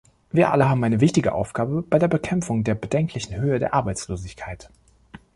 Wir alle haben eine wichtige Aufgabe bei der Bekämpfung der bedenklichen Höhe der Arbeitslosigkeit.